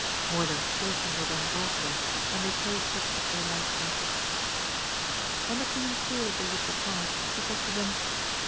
More than forty were then brought them, and they chose such as they liked best. When the queen saw that they would depart, she said to them.